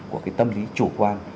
của cái tâm lý chủ quan